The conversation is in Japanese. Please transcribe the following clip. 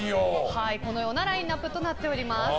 このようなラインアップとなっております。